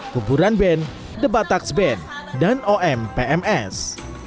kuburan band the bataks band dan omo oms